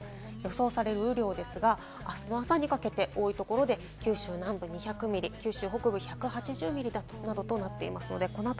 予想される雨量ですが、あすの朝にかけて多いところで九州南部２００ミリ、九州北部１８０ミリなどとなっています。